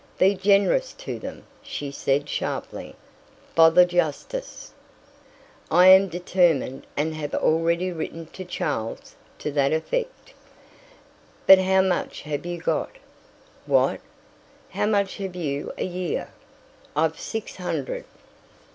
"Be generous to them," she said sharply. "Bother justice!" "I am determined and have already written to Charles to that effect " "But how much have you got?" "What?" "How much have you a year? I've six hundred."